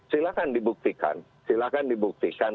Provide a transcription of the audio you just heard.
silahkan dibuktikan silahkan dibuktikan